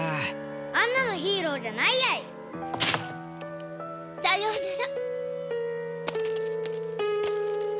あんなのヒーローじゃないやい！さようなら。